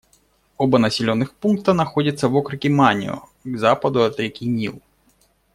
Оба населенных пункта находятся в округе Манио, к западу от реки Нил.